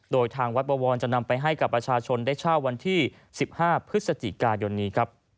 โดยทางวัดบวรจะนำไปให้กับประชาชนได้เช่าวันที่๑๕พฤศจิกายนนี้ครับ